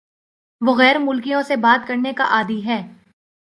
وہ غیر ملکیوں سے بات کرنے کا عادی ہے